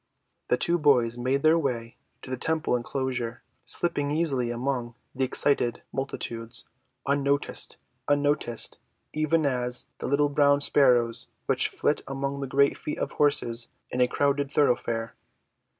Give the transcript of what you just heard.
The two boys made their way to the temple enclosure, slipping easily among the excited multitudes, unnoticed even as the little brown sparrows which flit among the great feet of horses in a crowded thoroughfare.